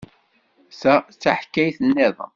Ta d taḥkayt niḍen.